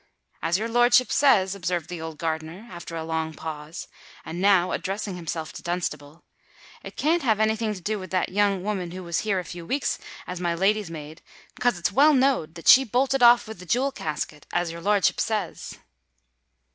"As your lordship says," observed the old gardener, after a long pause, and now addressing himself to Dunstable, "it can't have any thing to do with that young o'oman who was here a few weeks as my lady's maid—'cos it's well knowed that she bolted off with the jewel casket, as your lordship says."